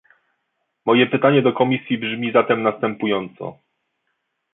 Moje pytanie do Komisji brzmi zatem następująco